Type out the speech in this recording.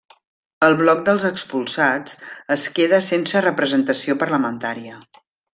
El Bloc dels Expulsats es queda sense representació parlamentària.